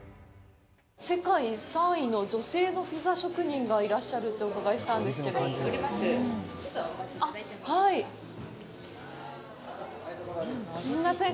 世界３位の女性のピザ職人がいらっしゃるとお伺いしたんですけどすいません